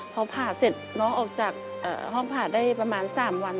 พอผ่าเสร็จน้องออกจากห้องผ่าได้ประมาณ๓วัน